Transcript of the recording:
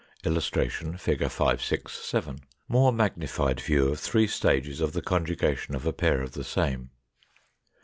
] [Illustration: Fig. 567. More magnified view of three stages of the conjugation of a pair of the same.